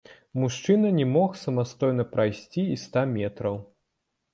Мужчына не мог самастойна прайсці і ста метраў.